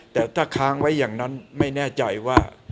แต่ถ้าค้างไว้อย่างนั้นไม่แน่ใจว่า